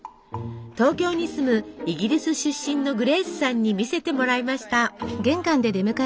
東京に住むイギリス出身のグレースさんに見せてもらいました。